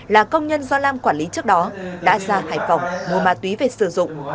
là công nhân do lam quản lý trước đó đã ra hải phòng mua ma túy về sử dụng